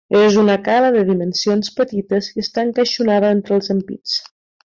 És una cala de dimensions petites i està encaixonada entre els empits.